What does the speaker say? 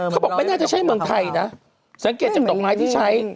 เขาบอกไม่น่าจะใช่เมืองไทยนะสังเกตจากดอกไม้ที่ใช้